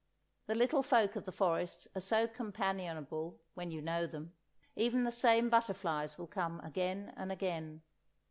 The little folk of the forests are so companionable when you know them; even the same butterflies will come again and again.